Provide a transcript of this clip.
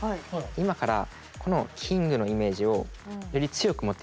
今からこのキングのイメージをより強く持って頂きたいんです。